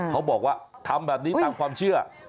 เขาบอกว่าทำแบบนี้ตามความเชื่อ